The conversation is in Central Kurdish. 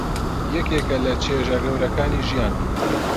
یەکێکە لە چێژە گەورەکانی ژیان.